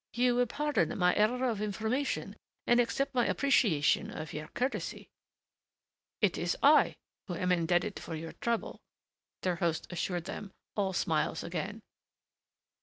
"You will pardon my error of information and accept my appreciation of your courtesy." "It is I who am indebted for your trouble," their host assured them, all smiles again.